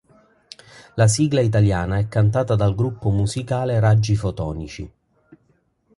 La sigla italiana è cantata dal gruppo musicale Raggi Fotonici.